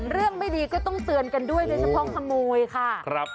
เรื่องไม่ดีก็ต้องเตือนกันด้วยโดยเฉพาะขโมยค่ะ